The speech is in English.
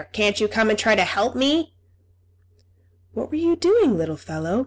Can't you come and try to help me?" "What were you doing, little fellow?"